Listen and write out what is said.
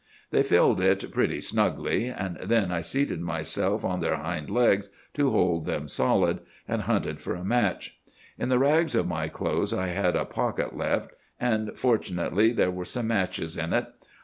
They filled it pretty snugly; and then I seated myself on their hind legs to hold them solid, and hunted for a match. "'In the rags of my clothes I had a pocket left, and fortunately there were some matches in it.